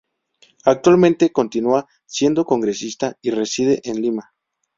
Actualmente continúa siendo congresista y reside en Lima.